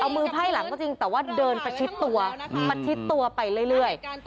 เอามือไพ่หลังก็จริงแต่ว่าเดินประชิดตัวประชิดตัวไปเรื่อย